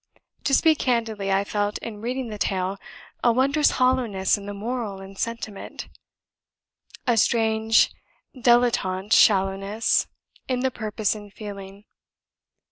To speak candidly, I felt, in reading the tale, a wondrous hollowness in the moral and sentiment; a strange dilettante shallowness in the purpose and feeling.